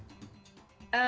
jam malamnya sepuluh ya